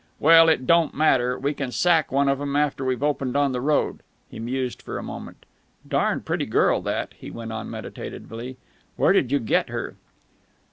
Well, it don't matter. We can sack one of 'em after we've opened on the road." He mused for a moment. "Darned pretty girl, that!" he went on meditatively. "Where did you get her?"